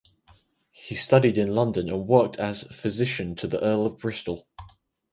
He studied in London and worked as physician to the Earl of Bristol.